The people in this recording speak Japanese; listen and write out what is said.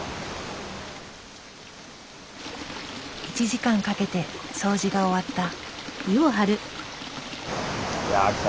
１時間かけて掃除が終わった。